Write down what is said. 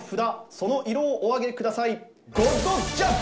その色をお上げください。